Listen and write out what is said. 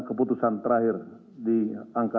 keputusan terakhir di angka